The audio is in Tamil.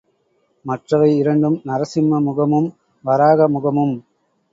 மற்றவை இரண்டும் நரசிம்ம முகமும், வராக முகமும்.